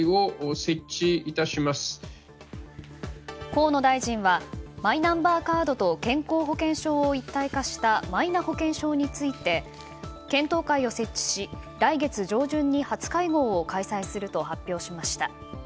河野大臣はマイナンバーカードと健康保険証を一体化したマイナ保険証について検討会を設置し、来月上旬に初会合を開催すると発表しました。